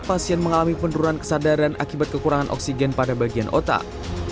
pasien mengalami penurunan kesadaran akibat kekurangan oksigen pada bagian otak